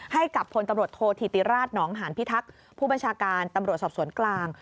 ให้กับพลตำรวจโทษธิติราชหนองหานพิทักษ์ผู้บัญชาการตำรวจสอบสวนกลาง